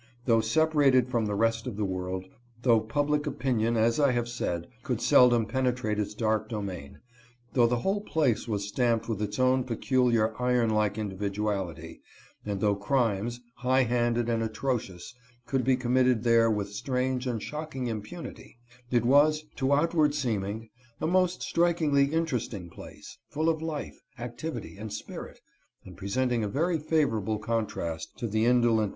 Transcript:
Though separated from the rest of the world, though public opinion, as I have said, could seldom penetrate its dark domain, though the whole place was stamped with its own peculiar iron like individuality, and though crimes, high handed and atro cious, could be committed there with strange and shock ing impunity, it was, to outward seeming, a most strik ingly interesting place, full of life, activity, and spirit, and presented a very favorable contrast to the indolent SLOOP SALLY LLOYD.